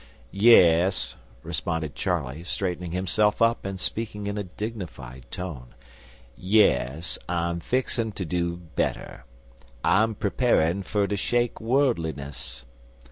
"Yes," responded Charley, straightening himself up and speaking in a dignified tone, "yes, I'm fixin' to do better. I'm preparin' fer to shake worldliness.